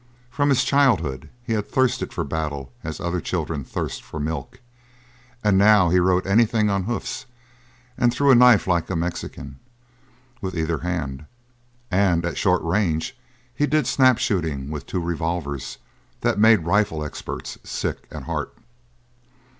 From his childhood he had thirsted for battle as other children thirst for milk: and now he rode anything on hoofs and threw a knife like a Mexican with either hand and at short range he did snap shooting with two revolvers that made rifle experts sick at heart.